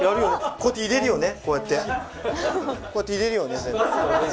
こうやって入れるよね。